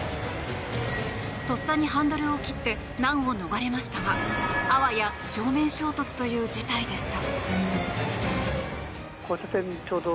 とっさにハンドルを切って難を逃れましたがあわや正面衝突という事態でした。